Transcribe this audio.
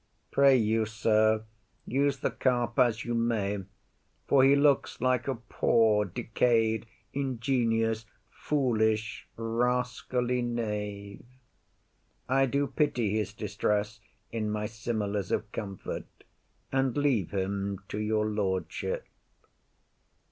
Pray you, sir, use the carp as you may, for he looks like a poor, decayed, ingenious, foolish, rascally knave. I do pity his distress in my similes of comfort, and leave him to your lordship.